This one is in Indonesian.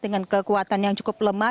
dengan kekuatan yang cukup lemah